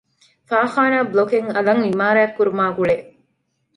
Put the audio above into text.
ފާޚާނާ ބްލޮކެއް އަލަށް އިމާރާތް ކުރުމާގުޅޭ